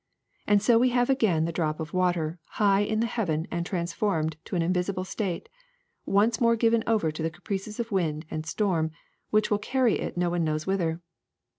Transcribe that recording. And so we have again the drop of water high in the heavens and transformed to an invisible state — once more given over to the caprices of wind and storm, which will carry it no one knows whither.